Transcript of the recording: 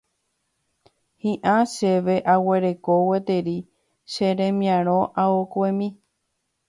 Hi'ã chéve aguereko gueteri che remiarirõ aokuemi.